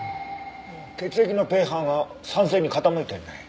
血液のｐＨが酸性に傾いてるね。